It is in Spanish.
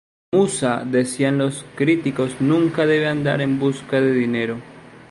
La Musa, decían los críticos, nunca debe andar en busca de dinero.